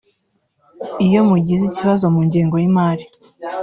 iyo mugize ikibazo mu ngengo y’imari